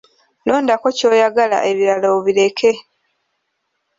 Londako ky'oyagala ebirala obireke.